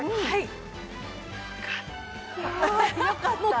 はい！